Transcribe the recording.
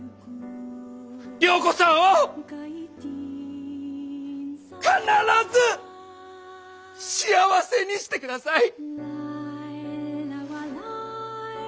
良子さんを必ず幸せにしてください！